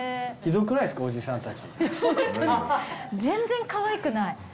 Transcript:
全然かわいくない。